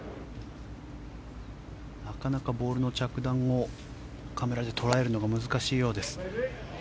なかなかボールの着弾をカメラで捉えるのが難しいようです。